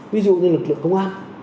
ví dụ như là lực lượng công an